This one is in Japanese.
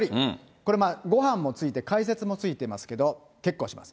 これ、ごはんもついてかいせつもついてますけど、結構します。